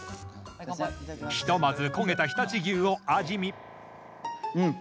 ひとまず焦げた常陸牛を味見うん！